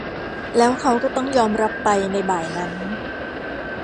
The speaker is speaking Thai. แล้วเค้าก็ต้องยอมรับไปในบ่ายนั้น